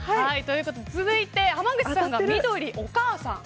続いて、濱口さんが緑のお母さん。